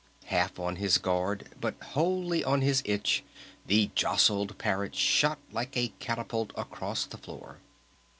Half on his guard, but wholely on his itch, the jostled Parrot shot like a catapult across the floor!